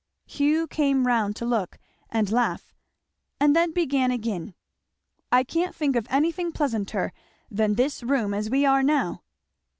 Hugh came round to look and laugh, and then began again. "I can't think of anything pleasanter than this room as we are now."